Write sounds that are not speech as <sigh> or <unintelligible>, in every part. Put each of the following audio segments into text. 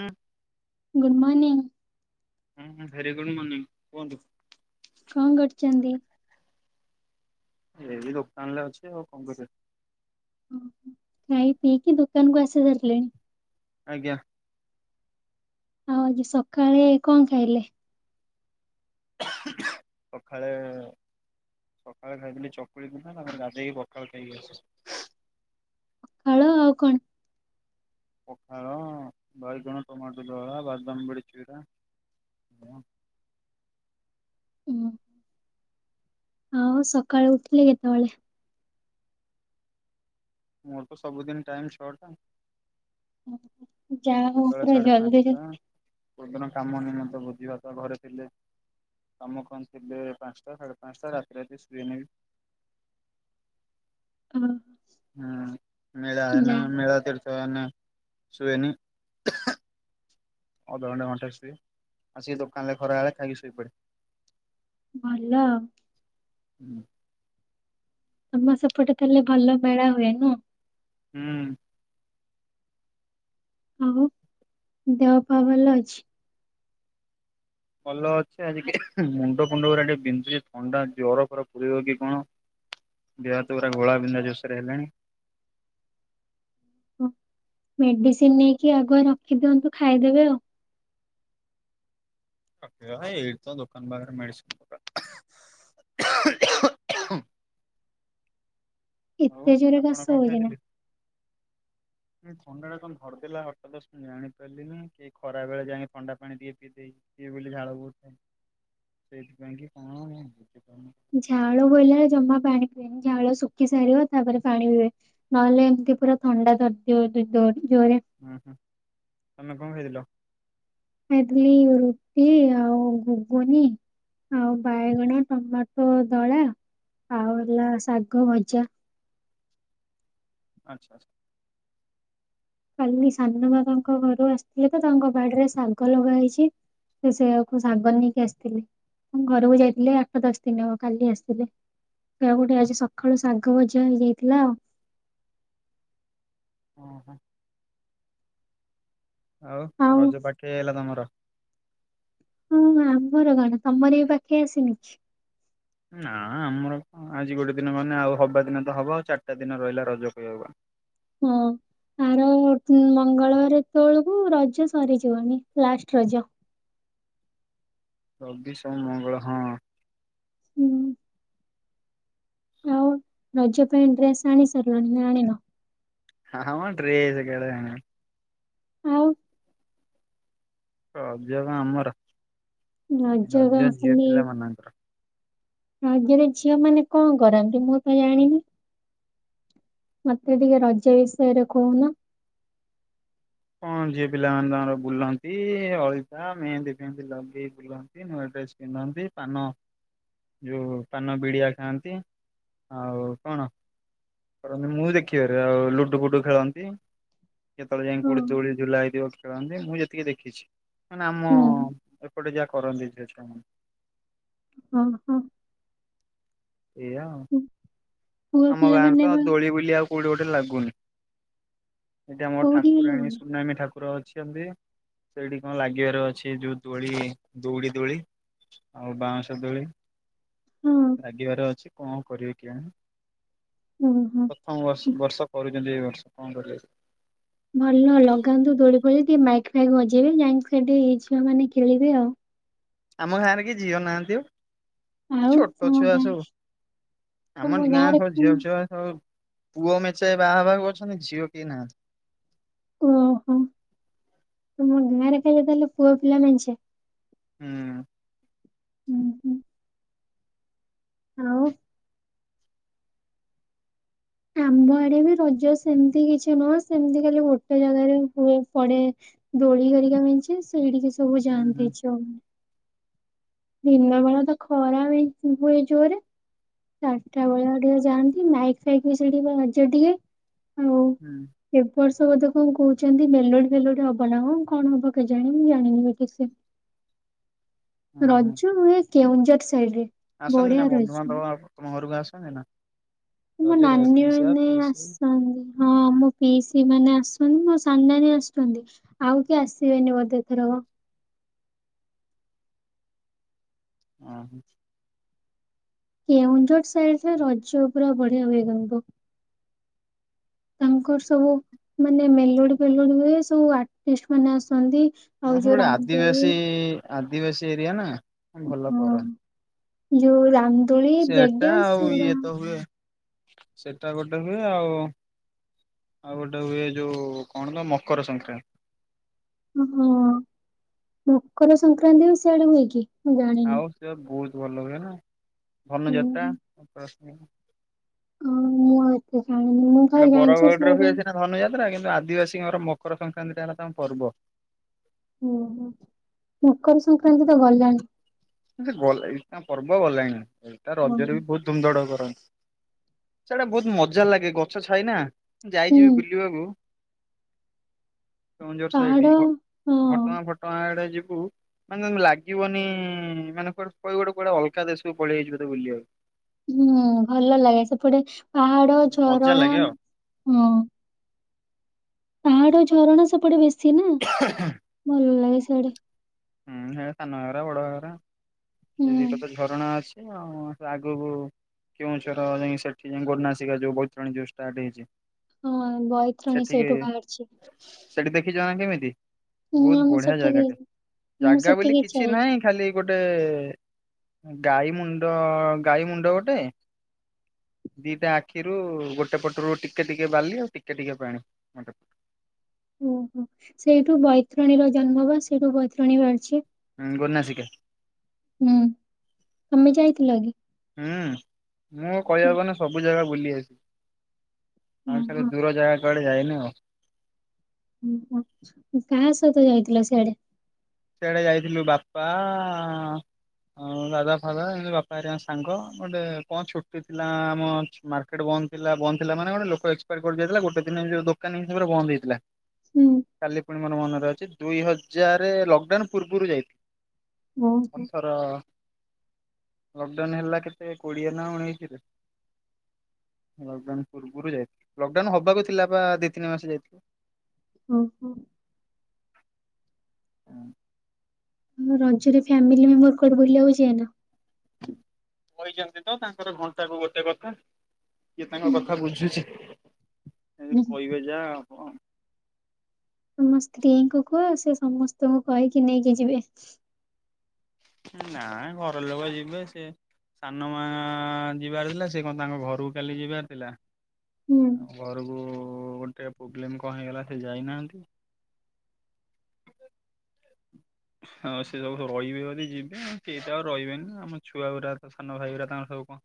ହୁଁ। Good morning. ହୁଁ ହୁଁ ଭେରି ଗୁଡ୍ ମର୍ଣ୍ଣିିଂ କୁହନ୍ତୁ। କଣ କରୁଛନ୍ତି? ଏଇ ଦୋକାନରେ ଅଛି ଆଉ କଣ କରିବି? <inaudible> ଓହୋ, ଖାଇ ପିକି ଦୋକନ୍ କୁ ଆସି ଶାରିଲେଣି। ଆଜ୍ଞା। ଆଉ ଆଜି ସକାଳେ କଣ ଖାଇଲେ? ସଖାଳେ ସକାଳେ ଖାଇଥିଲି ଚକୁଳି ପିଠା ତାପରେ ଗାଧେଇକି ପଖାଳ ଖାଇକି ଆସିଥିଲି। ପଖାଳ ଆଉ କଣ? ପଖାଳ ବାଇଗଣ ଟମାଟୋ ଦଳା ବାଦାମ ବଡି ଚୁରା। ହୁଁ। ଆଉ ସକାଳୁ ଉଠିଲେ କେତେବେଳେ? ମୋର ତ ସବୁଦିନ ଟାଇମ ଛଅ ଟା। ଅ ହ। ଯା ହଉ ପୁରା ଜଲଦି ପାଞ୍ଚଟା ଜଲଦି କୋଉଦିନ କାମ ନିମନ୍ତ ଭୋଜି ଭାତ ଘରେ ଥିଲେ କାମ କମ ଥିଲେ ପାଞ୍ଚଟା ସାଢ଼େ ପାଞ୍ଚଟା ରାତି ରାତି ସୁଏନୀବି। ହଁ। ହୁଁ ମେଳା ନା ମେଳା ଚା ତ ନା ଶୁଏନି ଅଧଘଟା ଘଣ୍ଟା ଶୁଏ ଆସିକ ଦୋକାନରେ ଖରା ହେଲେ ଖାଇକି ଶୋଇପଡେ। ଭଲ ଆଉ ହୁଁ ତମ ସେପଟେ ତାହଲେ ଭଲ ମେଳା ହୁଏ ନା। ହୁଁ ଆଉ ଦେହ ପା ଭଲ ଅଛି। ଭଲ ଅଛି ଆଜି ମୁଣ୍ଡ ଫୁଣ୍ଡ ପୁରା ଟିକେ ବିନ୍ଧୁଛି ଥଣ୍ଡା ଜର ଫର ପୁୁରିବ କି କଣ ଦେହାତ ପୁରା ଘୋଳା ବିନ୍ଧା ଜୋସରେ ହେଲାଣି। ଓ ମେଡିସିନ ନେଇକି ଆଗୁଆ ରଖିଦିଅନ୍ତୁ ଖାଇଦେବେ ଆଉ ରଖିଦବା ଏଇଠି ତ ଦୋକାନ ପାଖରେ ମେଡ଼ିସିନ ଦୋକାନ ହଉ ଏତେ ଜୋରେ ଆପଣ କାଶ କଣ ହୋଉଚି ଖାଇଥିଲେ? ନା। ଥଣ୍ଡା ଟା କଣ ଧରିଦେଲା ହଟାତ୍ ମୁଁ ଜାଣି ପାରିଲିନ କି ଖରା ବେଳେ ଯାଇକି ଥଣ୍ଡା ପାଣି ଟିକେ ପିଇଦେଇଚି ଟିକେ ବୋଲି ଝାଳ ବହୁଚି <unintelligible> ସେଇଥିପାଇଁ କି କଣ? ବୁଝିପାରୁନି। ଝାଳ ବୋଇଲା ଜମା ପାଣି ପିଇବେନି। ଝାଳ ଶୁଖି ସାରିବ ତାପରେ ପାଣି ପିଇବେ ନହେଲେ ଏମିତି ପୁରା ଥଣ୍ଡା ଧରିଥିବ ଦୁ <unintelligible> ଉହୁଁ ତମେ କଣ ଖଇଥିଲ? ହେଥିଲି ରୁଟି ଆଉ ଘୁଗୁନି ଆଉ ବାଇଗଣ ଟମାଟୋ ଦଳା ଆଉ ହେଲା ଶାଗ ଭଜା ଆଛା ଆଛା କାଲି ସାନ ବାବାଙ୍କ ଘରୁ ଆସିଥିଲେ ତ ତାଙ୍କ ବାଡିରେ ଶାଗ ଲଗା ହେଇଛି ସେ ସେଆକୁ ଶାଗ ନେଇକି ଆସିଥିଲେ ଘରକୁ ଯାଇଥିଲେ ଆଠ ଦଶ ଦିନ କାଲି ଆସିଲଥିଲେ ସେ ଗୋଟେ ଆଜି ସକାଳୁ ଶାଗ ଭଜା ହେଇଯାଇଥିଲା ଆଉ। ଓହୋ ଆଉ ରଜ ପାଖେଇ ଅଇଲା ତମର ହଁ ଆମର କଣ ତମର ବି ପାଖେ ଆସିନି କି? ନା ଆମର ଆଜି ଗୋଟେ ଦିନ ମାନେ ଆଉ ହବା ଦିନ ତ ହବା ଆଉ ଚାରିଟା ଦିନ ରହିଲା ରଜ କହବାକୁ ଗଲେ। ହୁଁ ଆର ମଙ୍ଗଳବାରେ ଏତୋବେଳକୁ ରଜ ସରିଯିବନି ଲାଷ୍ଟ ରଜ ରବି ସୋମ ମଙ୍ଗଳ ହଁ ହୁଁ ଆଉ ରଜ ପାଇଁ ଡ୍ରେସ ଆଣି ସାରିଲଣି ନା ଆଣିନ। ନା ମ ଡ୍ରେସ କାଳେ ଆଣିବୁ ଆଉ ରଜ କଣ ଆମର ରାଜ ରଜ କଣ ଝିଅ ଖାଲି ପିଲା ମାନଙ୍କର ଆଜିର ଝିଅ ମାନେ କଣ କରନ୍ତି। ମୁଁ ତ ଜାଣିନି ମତେ ଟିକେ ରଜ ବିଷୟରେ କୋହୁନ? କଣ ଯିଏ ପିଲାମାନେ ତାଙ୍କର ବୁଲନ୍ତି ଅଳିତା ମେହେନ୍ଦୀ ଫେହେନ୍ଦୀ ଲଗେଇ ବୁଲନ୍ତି ନୂଆ ଡ୍ରେସ୍ ପିନ୍ଧନ୍ତି ପାନ ଯୋଉ ପାନ ବିଡିଆ ଖାଆନ୍ତି ଆଉ କଣ କରନ୍ତି ମୁଁ ଦେଖିବାରେ ଆଉ ଲୁଡୁ ଫୁଡୁ ଖେଳନ୍ତି କେତେବେଳେ ଯାଇ ହଁ କୋଉଠି ଦୋଳି ଝୁଲା ହେଇିବ ମୁଁ ଯେତିକି ଦେଖିଛି। ମାନେ ଆମ ହୁଁ ସେପଟେ ଯାହା କରନ୍ତି ଝିଅଛୁଆମନେ। ହଁ ହଁ ଏଇଆ ଆଉ ହୁଁ। ପୁଅ ଆମ ଗାଁରେ ପିଲାମାନେ ତଉ ବା ଦୋଳି ବୁଲି ଆଉ କୋଉଠି ଗୋଟେ ଲାଗୁ <unintelligible> ଏଇଠି ଆମର କୋଉଠି ଠାକୁରାଣୀ ଲଗଉନି ସୁନାମୀ ଠାକୁର ଅଛି। ଛନ୍ତି ସେଇଠି କଣ ଲାଗିବାର ଅଛି ଯୋଉ ଦୋଳି ଦଉଡି ଦୋଳି ଆଉ ବାଉଁଶ ଦୋଳି ହୁଁ ଲାଗିବାର ଅଛି କଣ କରିବେ କିଆଣି। ଓହୋ ପ୍ରାର୍ଥମ ବ ବର୍ଷ କରୁଛି। କେତି ଏ ବର୍ଷ କଣ କରିବେ ଭଲ ଲଗାନ୍ତୁ ଦୋଳି ପୋଳି ଟିକ ମାଇକ୍ କାଇକି ମଜେଇବେି ଯାଇକି ସେଇଠି ଝିଅ ମାନେ ଖେଳିବେ ଆଉ। ଆମ ଘାଁରେ କି ଝିଅ ନାହାନ୍ତି ଓ। ଆଉ ଛୋଟ ତମ ଛୁଆ ଗାଁ ସବୁ ତମ ଆମର ଗାଁରେ ସବୁ କଣ ଝିଅ ଛୁଆ ସ ପୁଅ ମେଚଏ ବାହାବା ଅଛନ୍ତି ଝିଅ କେହି ନାହାନ୍ତି। ଓହୋ ମୋ ଗାଁରେ ଖାଲି ତାହେଲେ ପୁଅ ପିଲାମା ନେଛେ? ହୁଁ ହୁଁ ହୁଁ ଆଉ ଆମ୍ବ ଆଡେ ବି ରଜ ସେମତି କିଛି ନୁହଁ ସେମତି ଖାଲି ଗୋଟେ ଜାଗାରେ ହୁଏ ପଡେ ଦୋଳି କରିକା ମିଛି ସେଇଠି କି ସବୁ ହୁଁ ଜାନ୍ତି ହୁଁ ଝିଅ। ଦିନ ବେଳେ ତ ଖରା ହ ହୁଏ ଜୋରରେ ଚାରିଟା ବେଳେ ଟିକେ ଯାଆନ୍ତି ମାଇକ୍ ଫାଇକ୍ ବି ସେଠିକ ବାଜେ ଟିକେ ହଉ ହୁଁ ଏ ବର୍ଷ ତ ବୋଧେ କଣ କହୁଛନ୍ତି ମେଲୋଡି ଫେଲୋଡି ହବ ନା କଣ କଣ ହବ କେ ଜାଣ ମୁଁ ଜାଣିନି ବି ଠିକ ସେ ହୁଁ। ରଜ ନୁହେଁ କେଉଁଝର ସାଇଡ ରେ ଆସନ୍ତି ନା ବନ୍ଧୁବାନ୍ଧବ ତମ ଘରକୁ ଆସ ଥାଏ ନା ମ ରଜରେ ନାନୀ ପିଇସା ମାନେ ପିଇସି ଆସନ୍ତି। ହଁ ମୋ ପିଇସୀ ମାନେ ଆସନ୍ତି ମୋ ସାନ ନାନୀ ଆସନ୍ତି ଆଉ କିଏ ଆସିବେନି ବୋଧେ ଏଥରକ ଓହ କେଉଁଝର ସା ସେଇ ସେ ରଜ ପୁରା ବଢ଼ଆ ବେଗ ତ ତାଙ୍କର ସବୁ ମାନେ ମେଲୋଡି ଫେଲୋଡି ହୁଏ ସବୁ ଆର୍ଟିଷ୍ଟ ମାନେ ଆସନ୍ତି। ଆଉ ହଁ ଯୋଉ ସେପଟେ ରାମଦୋଳି ଆଦିିବାସୀ ଇଁ ଇଁ ଆ ଆବେସି ଏରିଆ ନା ହଁ ଭଲ ହଁ କରନ୍ତି। ଯୋଉ ରାମ ଦୋଳି ବ୍ରେକ୍ ସେଟା ଡାନ୍ସ ଆଉ ସେଗୁଡା ଇଏ ତ ହୁଏ ସେଟା ଗୋଟେ ହୁଏ ଆଉ ଆଉ ଗୋଟେ ହୁଏ ଯୋଉ କଣ ତ ମକର ସଂକ୍ରାନ୍ତି। ହଁ ମକର ସଂକ୍ରାନ୍ତି ବି ସିଆଡେ ହୁଏ କି? ମୁଁ ଜାଣିନି। ଆଉ ସେ ବହୁତ ଭଲ ହୁଏ ନା। ଧନୁ ଯାତ୍ରା। ହୁଁ ହଁ ମୁଁ ଆ ଏଟା ବରଗଡରେ ବି ଅସି ନା ଧନୁଯାତ୍ରା କେ ଆଦିବାସୀଙ୍କର ମକର ସଂକ୍ରାନ୍ତି ଟା ହେଲା ତାଙ୍କ ପର୍ବ ଓୁହୋ ମକର ସଂକ୍ରାନ୍ତି ତ ଗଲାଣି ସେ ଗ ତା ପର୍ବ ଗଲାଣି ଏଟ ହଁ ରଜରେ ବି ବହୁତ ଧୁମଧଡକ ସେଇଟା ବହୁତ ମଜା ଲାଗେ ଗଛ ଛାାଇନା ହୁଁ ଯାଇଯିବି ବୁଲିବାକୁ କେଁଝୋର ପାହାଡ ସାଇଡ ହଁ ଘଟଣା ଫଟଣା ଆଡେ ଯିବୁ ମାନେ ତାଙ୍କୁ ଲାଗିବନି ଏଇମାନଙ୍କର ଗୋଟେ କୁଡେ ଅଲକା ଦେଶକୁ ପଳେଇଆାଇଛି ବୋେ ବୁଲି ଆଉ ହୁଁ ଭଲ ଲାଗେ ସେପଟେ ପାହାଡ ମଜା ଝରଣା ଲାଗେ ଆଉ। ହୁଁ ପାହାଡ ଝରଣା ସବୁଟେ ବେଶୀ ସ ନା ଭଲ ଲାଗେ ଝଡ଼ ହୁଁ ହେ ସନଗରା ବଡ ହରା ଏ ହୁଁ ଦିଇଟ ତ ଝରଣା ଅଛି ଆଗକୁ କେଉଁଝର ଯାଇ ସେଠି ଯ ଗନାସିକା ଯୋଉ ବୈତରଣୀ ଯୋଉ ଷ୍ଟାର୍ଟ ହେଇଛି ହଁ ବୈତ୍ରଣୀ ସେଠିକି ସେଇଠୁ ବାହାରିଛି ସେଠି ଦେଖିଛ ନା କେମିତି ହୁଁ ବହୁତ ଆମ ବଢିଆ ସେଠିକ ଜାଗାଟେ ହେ ଜାଗା ବୋଲି କିଛି ନାହିଁ ଖାଲି ଗୋଟେ ଗାଈ ମୁଣ୍ଡ ଗାଈ ମୁଣ୍ଡ ଗୋଟେ ଦିଟା ଆଖିରୁ ଗୋଟେ ପଟରୁ ଟିକେ ଟିକେ ବାଲି ଆଉ ଟିକେ ଟିକେ ପାଣି ଗୋଟେ ଓହୋ ସେଇଠୁ ବୈତରଣୀ ର ଜନ୍ମ ବା ସେଇଠୁ ବୈତରଣୀ ବାହାରିଛି ଗନାସିକା ହୁଁ ତମେ ଯାଇଥିଲ କି? ହୁଁ ମୁଁ କହିବାକୁ କନ ସବୁ ଜାଗା ବଲିସି ଆମ ସ ଓହୋ ଦୂର ଜାଗା କଡେ ଯାଇନଉ ହ କାହା ସହିତ ଯାଇଥିଲ ସିଆଡେ ସେଆଡ଼େ ଯାଇଥିଲୁ ବାପା ଦାଦା ଫାଦା ଏମିତି ବାପା ଆ ସାଙ୍ଗ ଗୋଟେ କଣ ଛୁଟି ଥିଲା ଆମ ମାର୍କେଟ ବନ୍ଦ ଥିଲା ବନ୍ଦ ଥିଲା ମାନେ ଗୋଟେ ଲୋକ ଏକ୍ସପାୟାର କର ଯାଇଥିଲା ଗୋଟେ ଦିନମିତି ଦୋକାନୀ ହିସାବରେ ବନ୍ଦ ହେଇଥିଲା ହୁଁ କାଲି ପୁଣି ମୋର ମନରେ ଅଛି ଦୁଇ ହଜାର ଲ ପୂର୍ବରୁ ଯାଇଥିଲଥିଲେ ଓହୋ ଆଥର ଲଡାଉନ ହେଲା କେତ କୋଡିଏ ନା ଉଣେଇଶରେୂବରୁ ଲଡାଉ ହବାକୁ ଥିଲା ବା ଦି ତିନି ମାସ ଯାଇଥିଲ ଓ ହୋ <inaudible> ହଁ ରଜରେ ଫାମିଲି ମେମ୍ବର କୋଠି ବୁଲଉଛି କହିଛନ୍ତି ତ ତାଙ୍କର ଘଣ୍ଟା କ ଗୋଟେ କଥା କିଇଏ ତାଙ୍କ ହୁଁ କଥା ବୁଝୁଛି ଏ ହୁଁ। କହିବେ ଯା ତମ ସ୍ତ୍ରୀଙ୍କୁ କୁହ ସେ ସମସ୍ତଙ୍କୁ କହିକି ନେଇକି ଯିବେ ନା ଘର ଲୋକ ଯିବେ ସେ ସାନ ମା ଯିବାର ଥିଲା ସେ କଣ ତାଙ୍କ ଘରକୁ କାଲି ଯିବାର ଥିଲା ହୁଁ ଘରଗୁ ଗୋଟେ ପ୍ରୋବ୍ଲେମ କଣ ହେଇଗଲା ସେ ଯାଇନାହାନ୍ତି ଆଉ ସେ ସବୁ ରହିବେ ବୋଲି ଯିବେ କେହି ତ ଆଉ ରହିବେନି ଆମ ଛୁଆଗୁଡ଼ା ସାନ ଭାଇ ଗା ତାଙ୍କର ସବୁ କଣ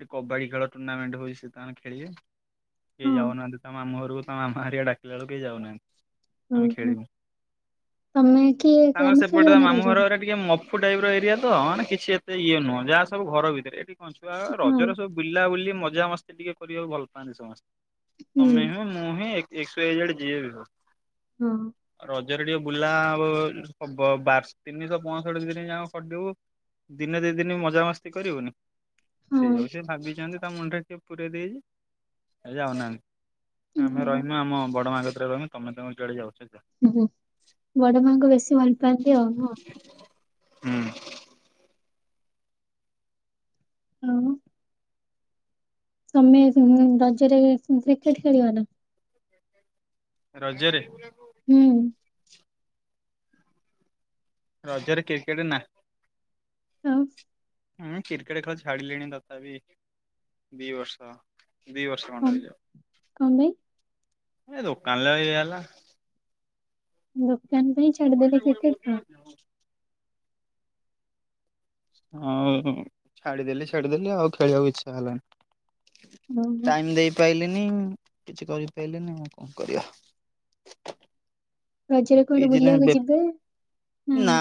ଏଠି କବାଡି ଖେଳ ଟୁର୍ଣ୍ଣାମେଣ୍ଟ ହଉଛି ସେ ତାଙ୍କର ଖେିବେ କେହି ହଁ ଯାଉନାହାନ୍ତି ତାମ ମାମୁ ଘରକୁ ତାମ ମାମା ହହାରଆ ଡାକିଲା ବେକୁ କେହି ଯାଉନାହାନ୍ତି ଓ ଆମେ ହୋ ଖେଳିବୁ। ତମେ କିଏ ତାଙ୍କର ତମେ ସେପଟେ ତ ଖେଳିବନି ମାମଁ ରଜରେ ଘରରେ ଟିକେ ମ ଟାଇପ ର ଏରିଆ ତ ମାନେ କିଛି ଏତେ ଇଏ ନୁହଁ ଯାହା ସବୁ ଘର ଭିତରେ ଏଠି କଛୁଆ ହଁ ରଜରେ ସବୁ ବୁା ବୁଲି ମଜ ପୂଜା ମସ୍େ ଟିକେ କରିବାକୁ ଭଲ ପାଆନ୍ତି ସମସ୍ତେ ହୁଁ ତମେ ହିଁ ମୁଁ ହିଁ ଏକ ସ ଏଇଜେେ ଯିଏେ ବି ହଁ ରେ ଟିକେ ବୁଲା ଆ ବାର ତିନିଶହ ପଞ୍ଚଷଠି ଦିନ ଯାକ ଖଡିବୁ ଦିନେ ଦି ଦିନ ମଜା ମସ୍ତି କରିବୁନି ସେଇ ହଁ ଅଉ ସେ ଭାବିଛନ୍ତି ତା ମୁଣ୍ଡରେ ଟିକେ ପୁରୀ ଦେଇ ଯାଉନାହାନ୍ତି ଆମେ ଓହୋ ରହିମୁ ଆମ ବଡ ମାଙ୍କ ତମେମ ଗାଡି ଯାଉ ଓୁହୋ ବଡ ମାଙ୍କ ବେଶୀ ଭଲ ପାଆନ୍ତି ଆଉ ହଁ ହଁ ହଁ ତମେ ରଜ ରେ କ୍ରିକେଟ ଖେଳିବ ନା- ରଜରେ- ହୁଁ- ରଜରେ କ୍ରିକେଟ ନା- ଆଉ ମୁୁଁ କ୍ରିକେଟ ଖେଳ ଛାଡିଲିଣି ତଥାବି ଦି ବର୍ଷ- ଦି ବର୍ଷେ ଖଣ୍ଡେ କଣ ହେଇ କଣ ପାଇଁ - ଏ ଦୋକାନରେ ଇଏହେଲା ହୁଁ ତା ପାଇଁ ଛାଡ଼ିଦେଲେ କ୍ରିକେଟ ଖେଳ? ହଁ ଛାଡିଦେଲେ ଛାଡିଦେଲେ ଆଉ ଖେଳିବାକୁ ଇଚ୍ଛା ହେଲନି। ଓହୋ ଟାଇମ ଦେଇପାଇଲିନି କିଛି କରିପାରିଲନି ଆଉ କଣ କରିବା। ରଜରେ କୁଆଡେ ବିଜିନେ ବୁଲିବାକୁ ବେ ଯିବେ ହୁଁ? ନା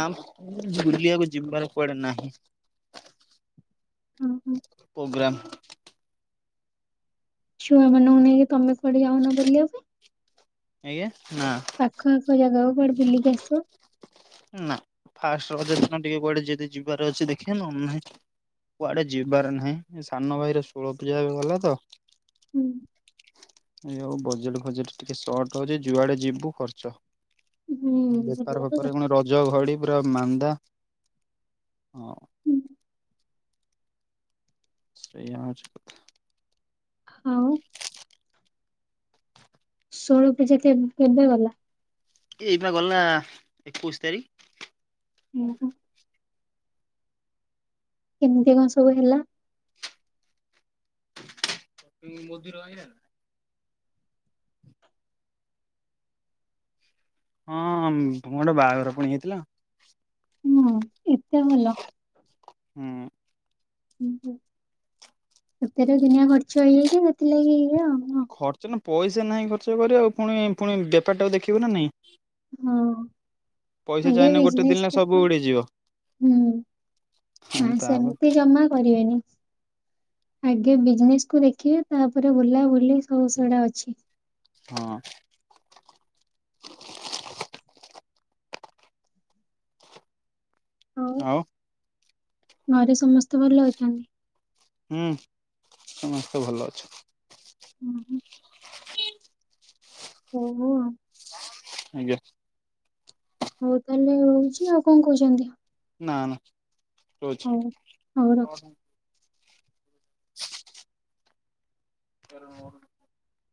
ବୁଲିବାକୁ ଯିବାର କୁଆଡ଼େ ନାହିଁ। ହ ହୋ। ପ୍ରୋଗ୍ରାମ ଛୁଆମାନଙ୍କୁ ନେଇକି ତମେ କୁଆଡ଼େ ଯାଇନ ବୁଲିବା ପାଇଁ। ଆଜ୍ଞା। ନା ପାଖ ଆଖ ଜାଗାକୁ କୁଆଡ଼େ? ବୁଲିିକି ଆସିବ। ନା ଫାଷ୍ଟ ରଜ ଦିନ ଟିକେ କୁଆଡେ ଯଦି ଯିବାର ଅଛି ଦେଖିଆ। କୁଆଡେ ଯିବାର ନାହିଁ ସାନ ଭାଇର ଶୋଳ ପୂଜା ଏବେ ଗଲା ତ ହୁଁ ଏ ଆଉ ବଜେଟ ଫଜେଟ ଟିକେ ସର୍ଟ ହଉଛି ଯୁଆଡେ ଯିବୁ ଖର୍ଚ୍ଚ ହୁଁ ବେପାର ସେଟା ତ ଫେପାର ସତ। ଗଣ ରଜ ଘଡି ପୁରା ମାନ୍ଦା ହୁଁ, ସେୟା ହଉଛି କଥା। ଆଉ ଷୋହଳ ପୁଜା କେ କେବେ ଗଲା? ଏଇପା ଗଲା ଏକୋଇଶି ତାରିଖ। ହୁଁ, କେମିତି କଣ ସବୁ ହେଲା। ମଦିରୁ ଆଇଲା? ହଁ ଗୋଟେ ବାହାଘର ପୁଣି ହେଇଥିଲା। ତ ଭଲ ହୁଁ। ଓ ହ ସେଥିରେ ଦୁନିଆ ଖର୍ଚ୍ଚ ହେଇଯାଇଛି ସେଥିଲାଗି ଏଇ ଆଉ। ହଁ। ଖର୍ଚ୍ଚ ନା ପଇସା ନାହିଁ ଖର୍ଚ୍ଚ କରିବା ଆଉ ପୁଣି ପୁଣି ବେପାର ଟାକୁ ଦେଖିବୁ ନା ନାଇଁ। ହଁ ପଇସା ଆଗ ଚାହିଁଲେ ବି ଗୋଟେ ଦିନରେ ସବୁ ଉଡିଯିବ ହଁ ସେମିତି ଜମା କରିବେନି। ଆଗେ ବିଜନେସ କୁ ଦେଖିବେ ତାପରେ ବୁଲାବୁଲି ସବୁ ସେଡା ଅଛି ହଁ ଆଉ। ଘରେ ସମସ୍ତେ ଭଲ ଅଛନ୍ତି? ହୁଁ ସମସ୍ତେ ଭଲ ଅଛନ୍ତି। ହୁଁ ହୁ ଓହୋ ଆଜ୍ଞା ହଉ ତାହେଲେ ରହୁଛି ଆଉ କଣ କହୁଛନ୍ତି। ନା ନା ହଉ ହଉ ରଖ। ରହୁଛି। ତରନୂର <unintelligible>